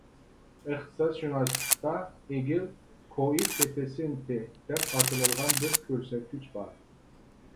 ئىقتىسادشۇناسلىقتا «ئېگىل كوئېففىتسېنتى» دەپ ئاتىلىدىغان بىر كۆرسەتكۈچ بار.